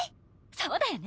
そうだよね！